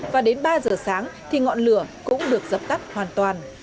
và đến ba giờ sáng thì ngọn lửa cũng được dập tắt hoàn toàn